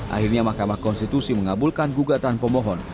akhirnya mahkamah konstitusi mengabulkan gugatan pemohon